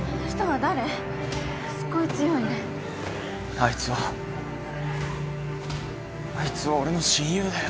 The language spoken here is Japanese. あいつはあいつは俺の親友だよ。